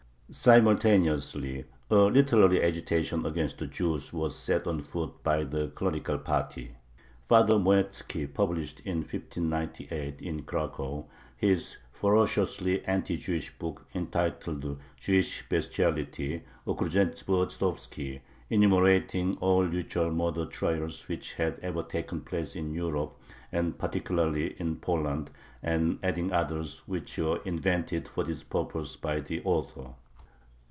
Simultaneously a literary agitation against the Jews was set on foot by the clerical party. Father Moyetzki published in 1598 in Cracow his ferociously anti Jewish book entitled "Jewish Bestiality" (Okrucieństwo Żydowskie), enumerating all ritual murder trials which had ever taken place in Europe and particularly in Poland, and adding others which were invented for this purpose by the author.